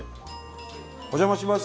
お邪魔します。